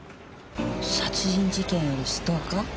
殺人事件よりストーカー？